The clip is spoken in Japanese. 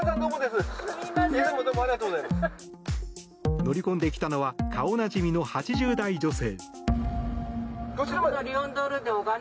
乗り込んできたのは顔なじみの８０代女性。